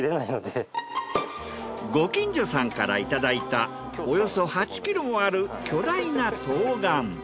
ご近所さんからいただいたおよそ８ｋｇもある巨大な冬瓜。